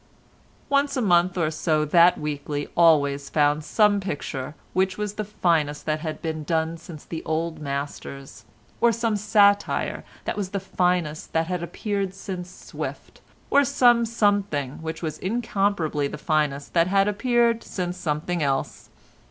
Once a month or so that weekly always found some picture which was the finest that had been done since the old masters, or some satire that was the finest that had appeared since Swift or some something which was incomparably the finest that had appeared since something else.